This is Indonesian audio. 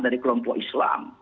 dari kelompok islam